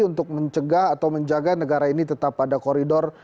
untuk mencegah atau menjaga negara ini tetap pada koridor